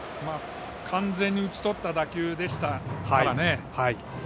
完全に打ち取った打球でしたからね。